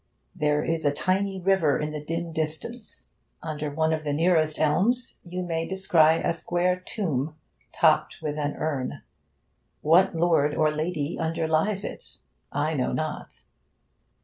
There is a tiny river in the dim distance. Under one of the nearest elms you may descry a square tomb, topped with an urn. What lord or lady underlies it? I know not.